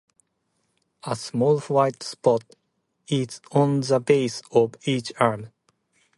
A small white spot is on the base of each arm.